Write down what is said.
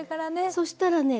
そしたらね